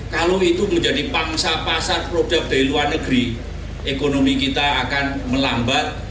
kalau itu menjadi pangsa pasar produk dari luar negeri ekonomi kita akan melambat